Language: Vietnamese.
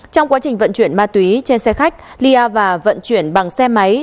trong quá trình vận chuyển ma túy trên xe khách ly a và vận chuyển bằng xe máy